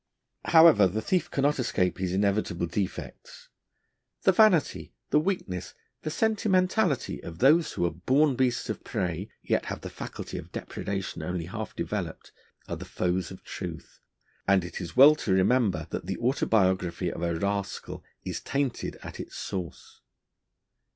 However, the thief cannot escape his inevitable defects. The vanity, the weakness, the sentimentality of those who are born beasts of prey, yet have the faculty of depredation only half developed, are the foes of truth, and it is well to remember that the autobiography of a rascal is tainted at its source.